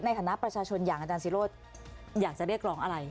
ในฐานะประชาชนอย่างอาจารย์ศิโรธอยากจะเรียกร้องอะไร